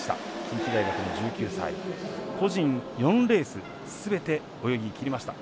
近畿大学の１９歳、個人４レースすべて泳ぎきりました。